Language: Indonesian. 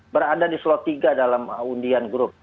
berada di slot tiga dalam undian grup